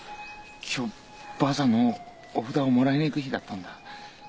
今日ばあさんのお札をもらいに行く日だったんだ。